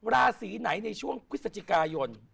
ราศีไหนในช่วงพฤศจิกายน